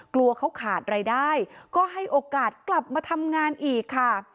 กลัวเขาขาดรายได้ก็ให้โอกาสกลับมาทำงานอีกค่ะ